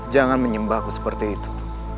jangan menyembahku seperti itu